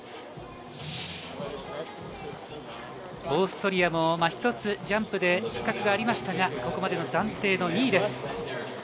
オーストリアも一つジャンプで失格がありましたが、ここまで暫定２位です。